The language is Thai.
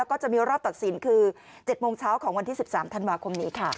ก็จะมีรอบตัดสินคือ๗โมงเช้าของวันที่๑๓ธันวาคมนี้ค่ะ